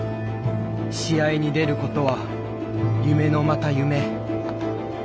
試合に出ることは夢のまた夢。